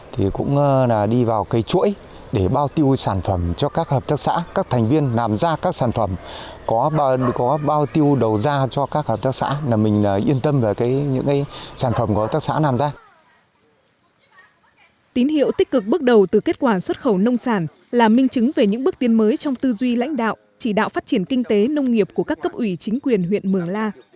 tính hiệu tích cực bước đầu từ kết quả xuất khẩu nông sản là minh chứng về những bước tiến mới trong tư duy lãnh đạo chỉ đạo phát triển kinh tế nông nghiệp của các cấp ủy chính quyền huyện mường la